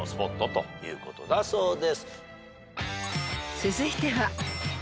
［続いては］